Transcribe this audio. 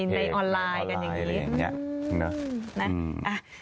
ในออนไลน์กันอย่างนี้